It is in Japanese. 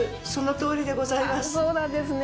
ああそうなんですね。